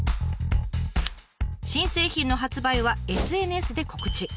新製品の発売はＳＮＳで告知。